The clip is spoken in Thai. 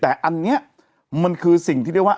แต่อันนี้มันคือสิ่งที่เรียกว่า